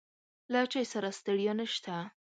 له چای سره ستړیا نشته.